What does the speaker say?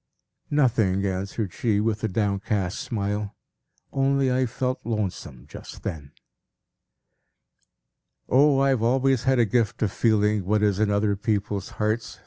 "Nothing," answered she, with a downcast smile. "Only I felt lonesome just then." "O, I have always had a gift of feeling what is in other people's hearts!"